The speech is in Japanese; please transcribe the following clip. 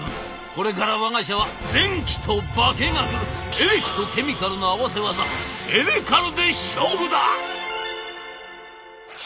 これからわが社は電気と化学エレキとケミカルの合わせ技「エレカル」で勝負だ！」。